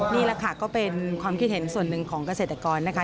นี่แหละค่ะก็เป็นความคิดเห็นส่วนหนึ่งของเกษตรกรนะคะ